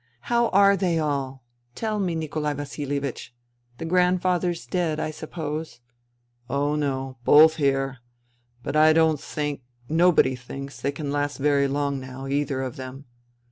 "How are they all? Tell me, Nikolai Vasilie vich ... the grandfathers dead, I suppose ?"" Oh no, both here. But I don't think — nobody thinks — they can last very long now, either of them."